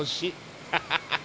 ハハハハハ！